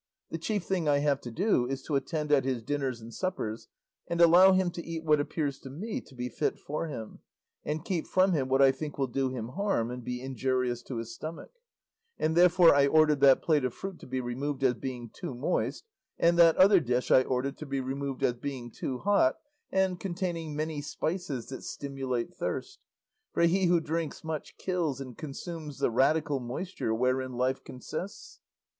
The chief thing I have to do is to attend at his dinners and suppers and allow him to eat what appears to me to be fit for him, and keep from him what I think will do him harm and be injurious to his stomach; and therefore I ordered that plate of fruit to be removed as being too moist, and that other dish I ordered to be removed as being too hot and containing many spices that stimulate thirst; for he who drinks much kills and consumes the radical moisture wherein life consists."